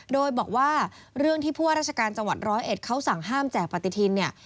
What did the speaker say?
โดยบอกว่าเรื่องที่ผู้ว่าราชการจังหวัดร้อยเอ็ดเขาสั่งห้ามแจกปฏิทินเนี่ย